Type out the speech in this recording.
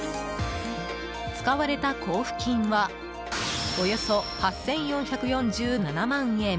使われた交付金はおよそ８４４７万円。